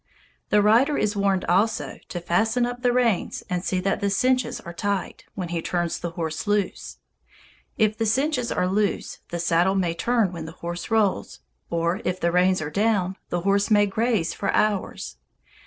The rider is warned also to "fasten up the reins and see that the cinches are tight" when he turns the horse loose. If the cinches are loose, the saddle may turn when the horse rolls; or if the reins are down, the horse may graze for hours.